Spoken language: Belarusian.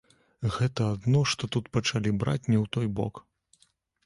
Гэта адно што тут пачалі браць не ў той бок.